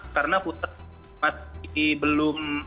karena food truck masih belum